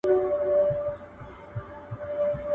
که مینه وي نو وسه نه وي.